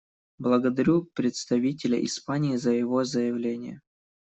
Благодарю представителя Испании за его заявление.